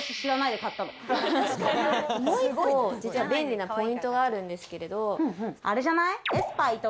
もう１個、実は便利なポイントがあるんですけれど。